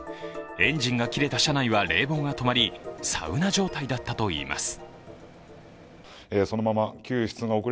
エンジンが切れた車内は冷房が止まり、サウナ状態だったといいます